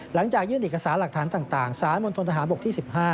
หลังจากยื่นเอกสารหลักฐานต่างสารมณฑนทหารบกที่๑๕